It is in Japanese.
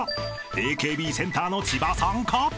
［ＡＫＢセンターの千葉さんか？］